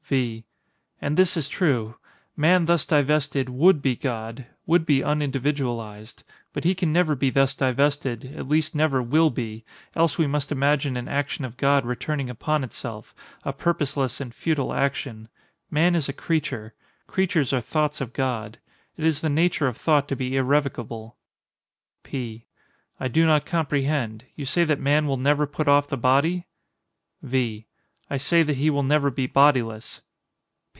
V. And this is true. Man thus divested would be God—would be unindividualized. But he can never be thus divested—at least never will be—else we must imagine an action of God returning upon itself—a purposeless and futile action. Man is a creature. Creatures are thoughts of God. It is the nature of thought to be irrevocable. P. I do not comprehend. You say that man will never put off the body? V. I say that he will never be bodiless.